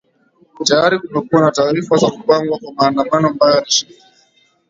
tayari kumekuwa na taarifa za kupangwa kwa maandamano ambayo yatashinikiza